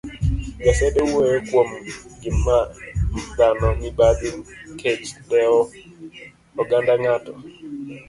gasede wuoyo kuom ngima dhano, mibadhi, kech, dewo oganda ng'ato,